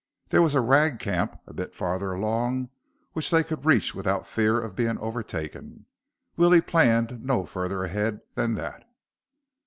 There was a ragcamp a bit farther along which they could reach without fear of being overtaken. Willie planned no further ahead than that.